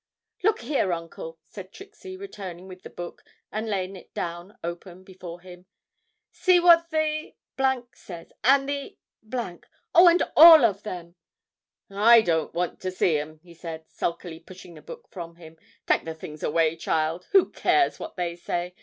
'Look here, Uncle,' said Trixie, returning with the book and laying it down open before him. 'See what the says, and the ; oh, and all of them!' 'I don't want to see 'em,' he said, sulkily pushing the book from him. 'Take the things away, child; who cares what they say?